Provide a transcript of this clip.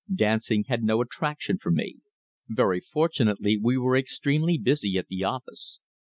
Dancing had no attraction for me. Very fortunately we were extremely busy at the office.